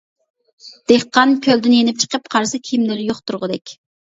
دېھقان كۆلدىن يېنىپ چىقىپ قارىسا كىيىملىرى يوق تۇرغۇدەك.